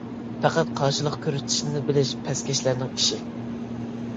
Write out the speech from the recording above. پەقەت قارشىلىق كۆرسىتىشنىلا بىلىش پەسكەشلەرنىڭ ئىشى.